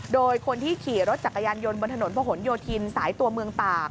โดยคนที่ขี่รถจักรยานยนต์บนถนนพระหลโยธินสายตัวเมืองตาก